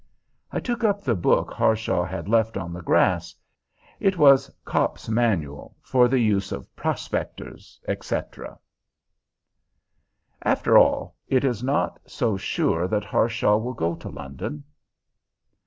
I took up the book Harshaw had left on the grass. It was "Copp's Manual" "For the use of Prospectors," etc. After all, it is not so sure that Harshaw will go to London.